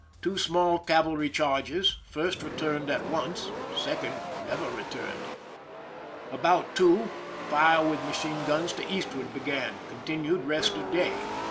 Two small cavalry charges. First returned at once ; second never returned. About 2, fire with machine guns to eastward began. Continued rest of day.